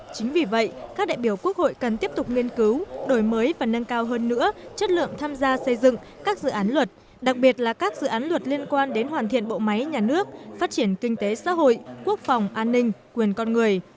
chính vì vậy các đại biểu quốc hội cần tiếp tục nghiên cứu đổi mới và nâng cao hơn nữa chất lượng tham gia xây dựng các dự án luật đặc biệt là các dự án luật liên quan đến hoàn thiện bộ máy nhà nước phát triển kinh tế xã hội quốc phòng an ninh quyền con người